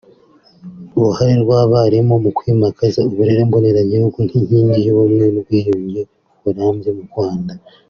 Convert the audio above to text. uruhare rw’abarimu mu kwimakaza uburere mboneragihugu nk’inkingi y’ubumwe n’ubwiyunge burambye mu Rwanda